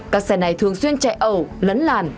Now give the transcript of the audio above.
các xe này thường xuyên chạy ẩu lấn làn